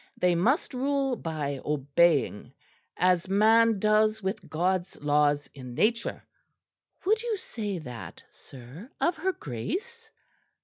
They must rule by obeying; as man does with God's laws in nature." "Would you say that, sir, of her Grace?"